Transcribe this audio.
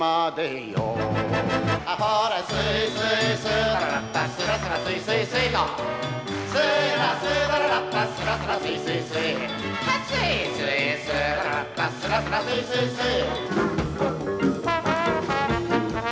「アホレスイスイスーララッタ」「スラスラスイスイスイ」「スーラスーララッタスラスラスイスイスイ」「スイスイスーララッタ」「スラスラスイスイスイ」